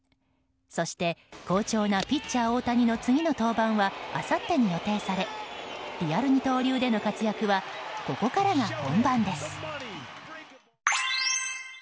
そして好調なピッチャー大谷の次の登板はあさってに予定されリアル二刀流での活躍はここからが本番です。